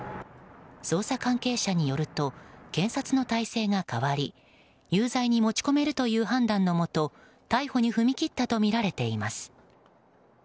捜査関係者によると検察の体制が変わり有罪に持ち込めるという判断のもと逮捕に踏み切ったとみられています。